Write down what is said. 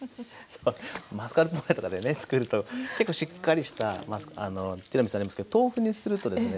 マスカルポーネとかでね作ると結構しっかりしたティラミスになりますけど豆腐にするとですね